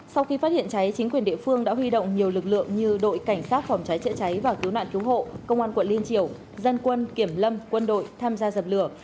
sau khi phát hiện cháy chính quyền địa phương đã huy động nhiều lực lượng như đội cảnh sát phòng cháy chữa cháy và cứu nạn cứu hộ công an quận liên triều dân quân kiểm lâm quân đội tham gia dập lửa